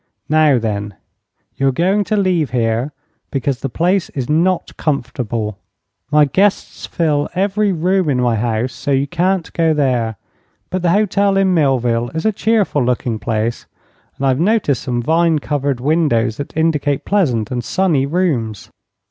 Now, then, you're going to leave here, because the place is not comfortable. My guests fill every room in my house, so you can't go there. But the hotel in Millville is a cheerful looking place, and I've noticed some vine covered windows that indicate pleasant and sunny rooms.